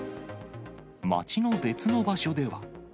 町の別の場所では。